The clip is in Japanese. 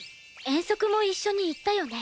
遠足も一緒に行ったよね？